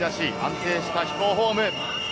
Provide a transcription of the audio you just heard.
安定した飛行フォーム。